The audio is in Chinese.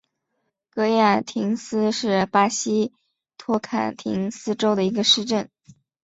戈亚廷斯是巴西托坎廷斯州的一个市镇。